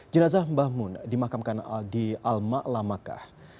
jenazah mbah mun dimakamkan di al ma'la mekah